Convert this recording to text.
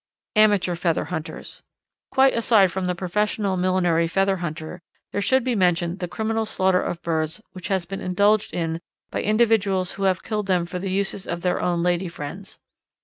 Amateur Feather Hunters. Quite aside from the professional millinery feather hunter there should be mentioned the criminal slaughter of birds which has been indulged in by individuals who have killed them for the uses of their own lady friends.